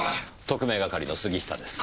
特命係の杉下です。